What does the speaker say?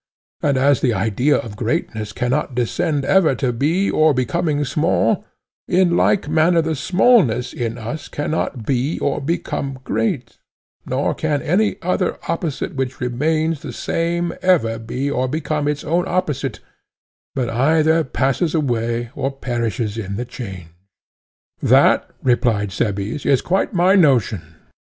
And as the idea of greatness cannot condescend ever to be or become small, in like manner the smallness in us cannot be or become great; nor can any other opposite which remains the same ever be or become its own opposite, but either passes away or perishes in the change. That, replied Cebes, is quite my notion.